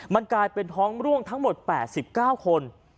มันกลายเป็นท้องร่วงทั้งหมด๘๙คน